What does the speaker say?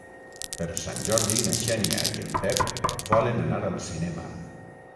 Per Sant Jordi na Xènia i en Pep volen anar al cinema.